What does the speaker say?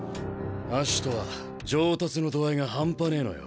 アシトは上達の度合いが半端ねえのよ。